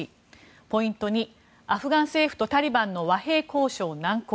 ポイント２アフガン政府とタリバンの和平交渉が難航。